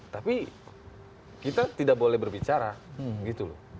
tapi kita tidak boleh berbicara gitu loh